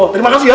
terima kasih ya